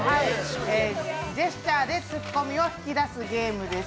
ジェスチャーでツッコミを引き出すゲームです